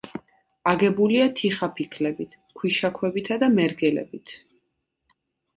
აგებულია თიხაფიქლებით, ქვიშაქვებითა და მერგელებით.